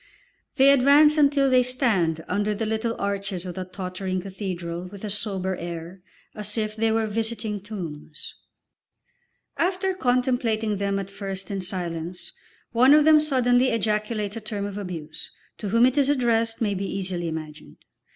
They advance until they stand under the little arches of the tottering cathedral with a sober air, as if they were visiting tombs. After contemplating them at first in silence, one of them suddenly ejaculates a term of abuse (to whom it is addressed may be easily imagined!)